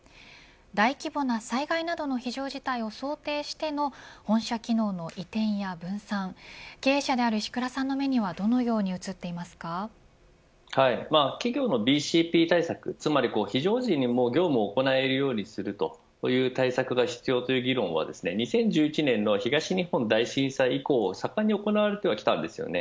大規模な災害などの非常事態を想定しての本社機能の移転や分散経営者である石倉さんの目にはどのように映っていますか企業のＢＣＰ対策つまり非常時にも業務を行えるようにするという対策が必要という議論は２０１１年の東日本大震災以降盛んに行われてきたんです。